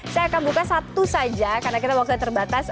saya akan buka satu saja karena kita waktunya terbatas